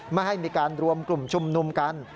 ไม่ให้มีการรวมกลุ่มชุมนุมกัน